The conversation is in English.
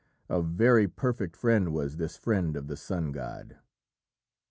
A very perfect friend was this friend of the sun god.